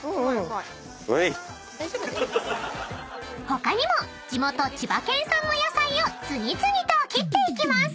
［他にも地元千葉県産の野菜を次々と切っていきます］